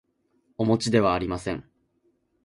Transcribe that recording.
おもちではありません